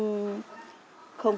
không gìn giữ không